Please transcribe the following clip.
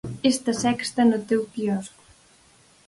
Esta sexta no teu quiosco.